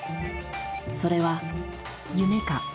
それは夢か？